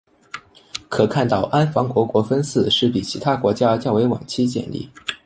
可看到安房国国分寺是比其他国家较为晚期建立。